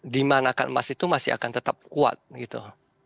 demand akan emas itu masih akan tetap kuat gitu